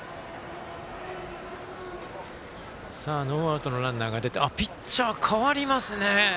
ノーアウトのランナーが出てピッチャー代わりますね。